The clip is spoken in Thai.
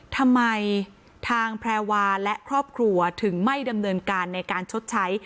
ทางแพรวาและครอบครัวถึงไม่ดำเนินการในการชดใช้